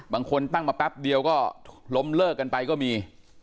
บางคนตั้งมาแป๊บเดียวก็ล้มเลิกกันไปก็มี